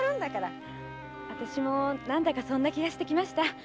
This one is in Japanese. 私もそんな気がしてきました。